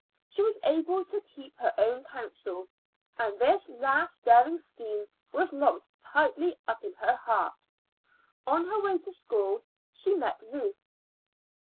She was able to keep her own counsel, and this last daring scheme was locked tightly up in her heart. On her way to school she met Ruth.